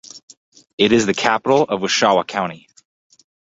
It is the capital of Wschowa County.